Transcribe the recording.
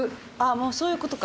もうそういうことか。